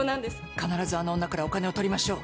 必ずあの女からお金を取りましょう。